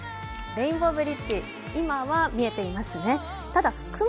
レインボーブリッジ、今は見えていますね。